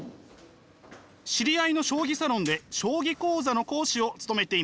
知り合いの将棋サロンで将棋講座の講師を務めています。